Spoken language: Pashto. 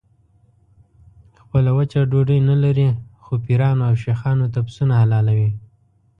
خپله وچه ډوډۍ نه لري خو پیرانو او شیخانو ته پسونه حلالوي.